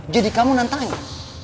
jadi kamu nantangin